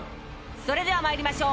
それでは参りましょう。